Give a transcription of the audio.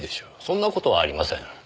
そんな事はありません。